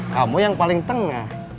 kamu yang paling tengah